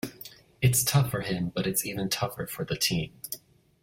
It’s tough for him, but it’s even tougher for the team.